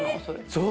そう。